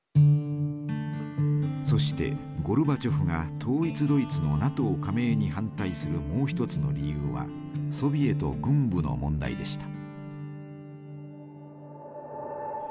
そしてゴルバチョフが統一ドイツのＮＡＴＯ加盟に反対するもう一つの理由はソビエト軍部の問題でした。